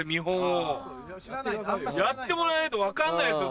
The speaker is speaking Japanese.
やってもらえないと分かんないっすよ